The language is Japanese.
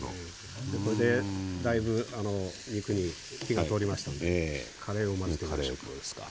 これでだいぶ肉に火が通りましたんでカレーを混ぜてみましょうか。